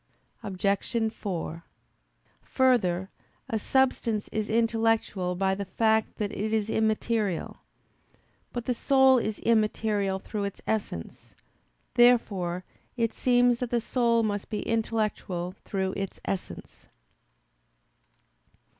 Obj. 4: Further, a substance is intellectual by the fact that it is immaterial. But the soul is immaterial through its essence. Therefore it seems that the soul must be intellectual through its essence.